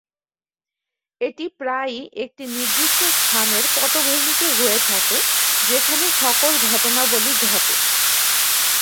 এটি প্রায়ই একটি নির্দিষ্ট স্থানের পটভূমিতে হয়ে থাকে, যেখানে সকল ঘটনাবলি ঘটে।